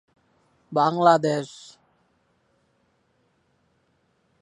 এই বইটি বিক্রয় করা হয়েছিল।